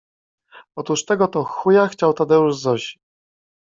Otóż tego to chuja chciał Tadeusz Zosi